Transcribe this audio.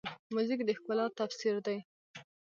موزیک د ښکلا تفسیر دی.